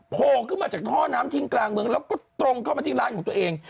โผล่ขึ้นมาจากท่อน้ำทิ้งกลางเมืองแล้วก็ตรงเข้ามาที่ร้านของตัวเอง